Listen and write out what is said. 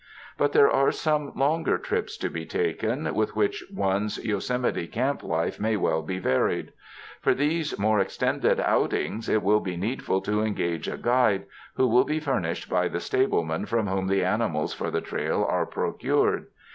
But there are some longer trips to be taken, with which one's Yosemite camp life may well be varied. For these more extended out ings it will be needful to engage a guide, who will be furnished by the stableman from whom the ani mals for the trail are procured.